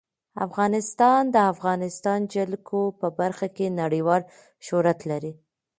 افغانستان د د افغانستان جلکو په برخه کې نړیوال شهرت لري.